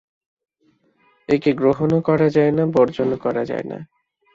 একে গ্রহণও করা যায় না, বর্জনও করা যায় না।